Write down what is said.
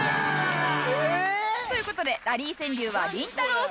という事でラリー川柳はりんたろー。